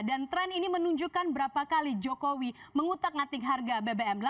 dan tren ini menunjukkan berapa kali jokowi mengutak ngatik harga bbm